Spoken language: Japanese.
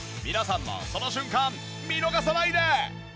皆さんもその瞬間見逃さないで！